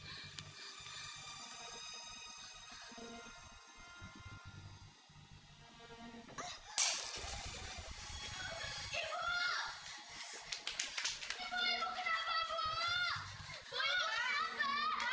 tapi hasilnya tuh bagus